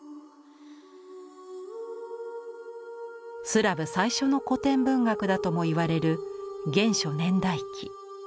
スラブ最初の古典文学だとも言われる「原初年代記」。